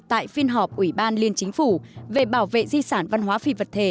tại phiên họp ủy ban liên chính phủ về bảo vệ di sản văn hóa phi vật thể